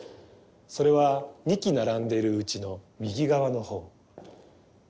それは２基並んでいるうちの右側の方。